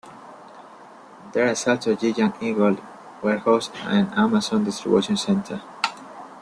There is also a Giant Eagle warehouse and an Amazon Distribution Center.